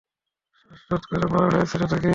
শ্বাসরোধ করে মারা হয়েছিল তাকে।